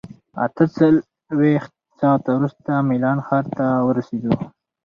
اته څلوېښت ساعته وروسته میلان ښار ته ورسېدو.